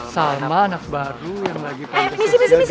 salma anak baru yang lagi panjat sosial biar banyak yang naksir